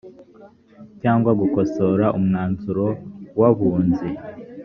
cyangwa gukosora umwanzuro w’abunzi